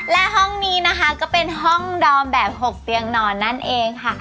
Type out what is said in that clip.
และห้องนี้นะคะก็เป็นห้องดอมแบบ๖เตียงนอนนั่นเองค่ะ